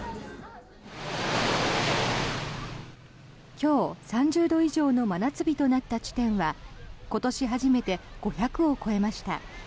今日、３０度以上の真夏日となった地点は今年初めて５００を超えました。